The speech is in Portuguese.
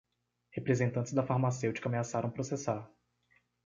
Representantes da farmacêutica ameaçaram processar